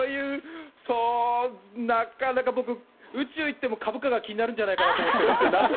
なかなか僕は宇宙に行っても株価が気になるんじゃないかな。